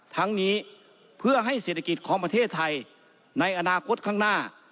ทั้งนี้เพื่อให้เศรษฐกิจของประเทศไทยในอนาคตข้างหน้า